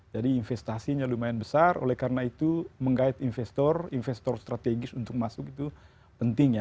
jadi investasinya lumayan besar oleh karena itu menggait investor investor strategis untuk masuk itu penting ya